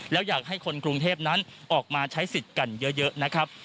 แล้วอยากให้คนกรุงเทพนั้นออกมาใช้สิทธิ์กันเยอะนะครับ